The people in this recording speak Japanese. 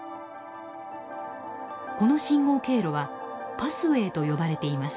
この信号経路はパスウェーと呼ばれています。